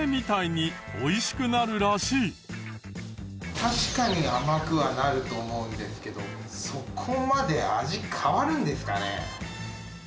確かに甘くはなると思うんですけどそこまで味変わるんですかね？